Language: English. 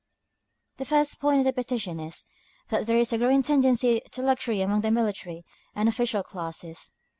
The first point in the petition is, that there is a growing tendency to luxury among the military and official classes.